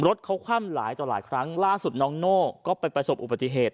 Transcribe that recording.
รถเขาคว่ำหลายต่อหลายครั้งล่าสุดน้องโน่ก็ไปประสบอุบัติเหตุ